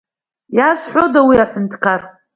Иазҳәода уи аҳәынҭқар?